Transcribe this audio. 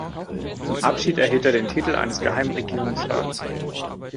Zum Abschied erhielt er den Titel eines Geheimen Regierungsrats.